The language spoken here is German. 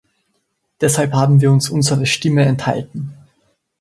Deshalb haben wir uns unserer Stimme enthalten.